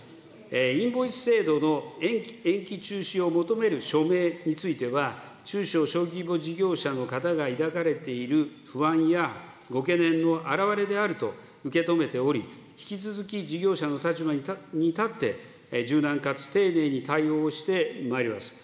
インボイス制度の延期・中止を求める署名については、中小・小規模事業者の方が抱かれている不安やご懸念の表れであると受け止めており、引き続き事業者の立場に立って柔軟かつ丁寧に対応してまいります。